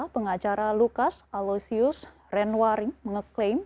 pengacara lukas aloysius renwaring mengeklaim